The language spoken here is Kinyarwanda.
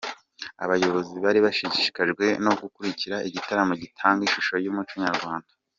Abayobozi bari bashishikajwe no gukurikira igitaramo gitanga ishusho y'umuco nyarwanda.